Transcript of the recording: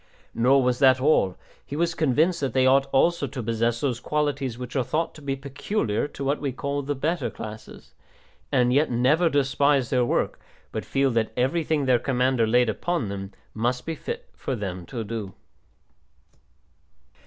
Nor was that all; he was convinced that they ought also to possess those qualities which are thought to be peculiar to what we call "the better classes," and yet never despise their work, but feel that everything their commander laid upon them must be fit for them to do.